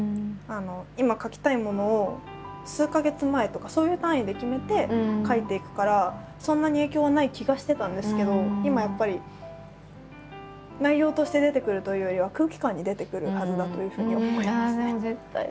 今書きたいものを数か月前とかそういう単位で決めて書いていくからそんなに影響はない気がしてたんですけど今やっぱり内容として出てくるというよりはああでも絶対出ると思う。